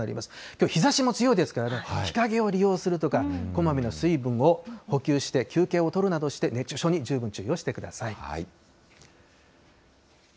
きょう、日ざしも強いですからね、日陰を利用するとか、こまめな水分を補給して、休憩をとるなどして、熱中症に十分注意をしてください。